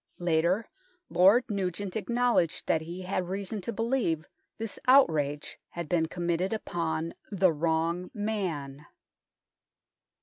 Later Lord Nugent acknowledged that he had reason to believe this outrage had been committed upon the wrong man.